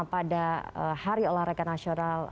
pada hari olahraga nasional